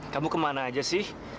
kamu kemana aja sih